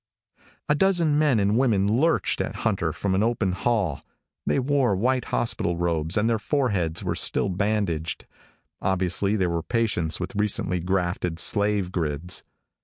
A dozen men and women lurched at Hunter from an open hall. They wore white hospital robes and their foreheads were still bandaged. Obviously they were patients with recently grafted slave grids.